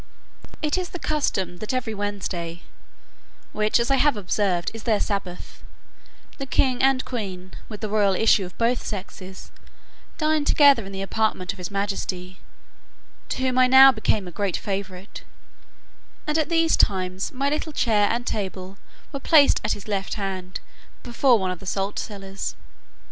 It is the custom, that every Wednesday (which, as I have observed, is their Sabbath) the king and queen, with the royal issue of both sexes, dine together in the apartment of his majesty, to whom I was now become a great favourite; and at these times, my little chair and table were placed at his left hand, before one of the salt cellars.